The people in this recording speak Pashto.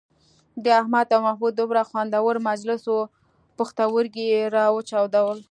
د احمد او محمد دومره خوندور مجلس وو پوښتورگي یې را وچاودل.